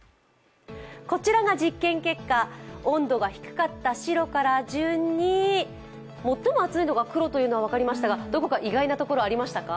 こちらが実験結果温度が低かった白から順に最も暑いのが黒というのは分かりましたが、どこか意外なところはありましたか？